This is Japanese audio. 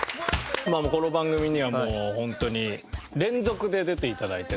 この番組にはもうホントに連続で出て頂いてね。